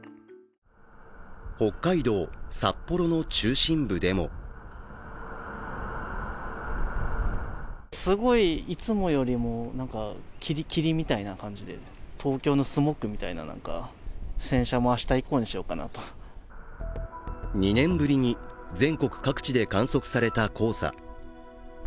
北海道札幌の中心部でも２年ぶりに全国各地で観測された黄砂。